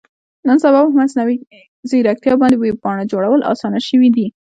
نن سبا په مصنوي ځیرکتیا باندې ویب پاڼه جوړول اسانه شوي دي.